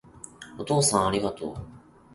お父さんありがとう